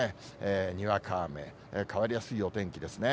にわか雨、変わりやすいお天気ですね。